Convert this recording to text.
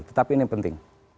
tetapi ini penting